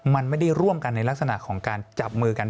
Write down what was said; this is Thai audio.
มันไม่ได้ร่วมกันในลักษณะของการจับมือกัน